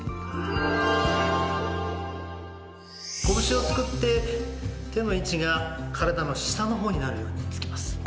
拳をつくって手の位置が体の下の方になるようにつきます。